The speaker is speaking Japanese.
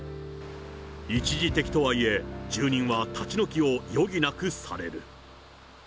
一時的とはいえ、住人は立ち退きを余儀なくされる。